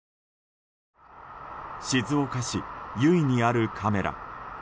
静岡市由比にあるカメラ。